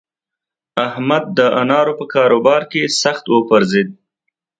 احمد د انارو په کاروبار کې سخت وپرځېد.